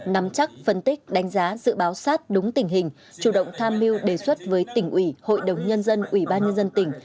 nắm chắc phân tích đánh giá dự báo sát đúng tình hình chủ động tham mưu đề xuất với tỉnh ủy hội đồng nhân dân ubnd tỉnh